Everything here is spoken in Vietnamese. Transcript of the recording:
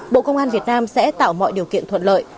bộ công an việt nam sẽ tạo mọi điều kiện thuận lợi